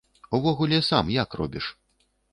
Увогуле, сам як робіш?